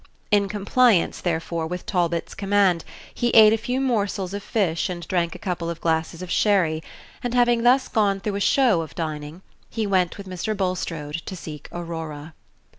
In compliance, therefore, with Talbot's command, he ate a few morsels of fish, and drank Page 179 a couple of glasses of sherry; and, having thus gone through a show of dining, he went with Mr. Bulstrode to seek Aurora.